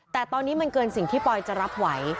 แต่ตอนนี้มันเกินสิ่งที่ปอยจะรับไหว